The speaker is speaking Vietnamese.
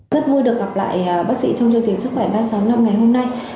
rất vui được gặp lại bác sĩ trong chương trình sức khỏe ba sáu năm ngày hôm nay